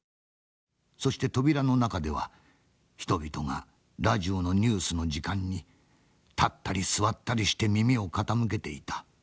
そして扉の中では人々がラジオのニュースの時間に立ったり座ったりして耳を傾けていた。